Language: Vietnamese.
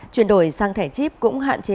chuyển đổi sang thẻ chip cũng hạn chế